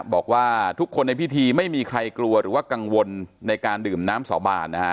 บอกว่าทุกคนในพิธีไม่มีใครกลัวหรือว่ากังวลในการดื่มน้ำสาบานนะฮะ